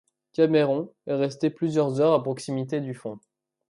Cameron est resté plusieurs heures à proximité du fond.